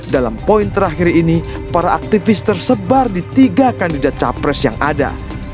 dalam poin terakhir ini para aktivis tersebar di tiga kandidat capres yang ada